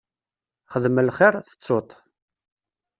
Xdem lxiṛ, tettuḍ-t.